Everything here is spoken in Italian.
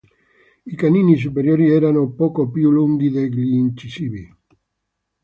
I canini superiori erano poco più lunghi degli incisivi.